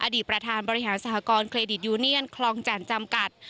อดีตประธานบริหารสหกรณเครดิตยูเนียนคลองจันทร์จำกัด